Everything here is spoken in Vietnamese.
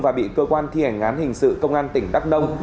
và bị cơ quan thi hành án hình sự công an tỉnh đắk nông